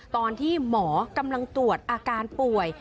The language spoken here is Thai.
ตอนที่หมอกำลังตรวจอาการป่วย